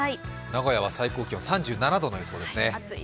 名古屋は最高気温、３７度の予想ですね。